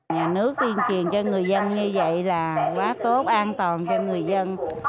nhà nước tuyên truyền cho người dân như vậy là quá tốt an toàn cho người dân